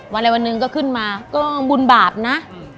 วันไหลวันหนึ่งก็ขึ้นมาก็บุญบาปนะ